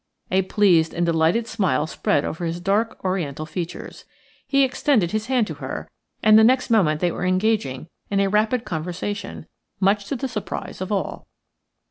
A pleased and delighted smile spread over his dark Oriental features. He extended his hand to her, and the next moment they were exchanging a rapid conversation, much to the surprise of all.